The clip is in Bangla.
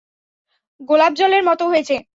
গোলাপজামের মতো হয়েছে।